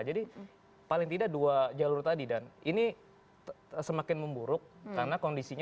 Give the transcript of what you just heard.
jadi paling tidak dua jalur tadi dan ini semakin memburuk karena kondisinya